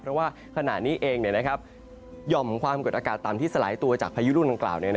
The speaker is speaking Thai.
เพราะว่าขณะนี้เองหย่อมความกดอากาศต่ำที่สลายตัวจากพายุลูกดังกล่าว